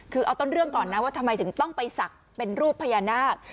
คือเอาต้นเรื่องก่อนนะว่าทำไมถึงต้องไปศักดิ์เป็นรูปพญานาค